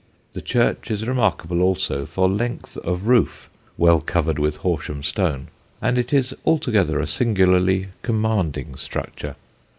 The church is remarkable also for length of roof (well covered with Horsham stone), and it is altogether a singularly commanding structure.